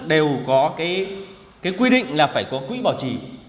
đều có cái quy định là phải có quỹ bảo trì